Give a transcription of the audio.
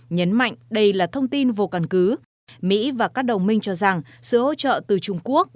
nhấn mạnh đây là thông tin vô căn cứ mỹ và các đồng minh cho rằng sự hỗ trợ từ trung quốc